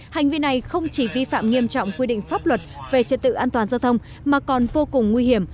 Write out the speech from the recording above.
hành vi này không chỉ vi phạm nghiêm trọng quy định pháp luật về trật tự an toàn giao thông mà còn vô cùng nguy hiểm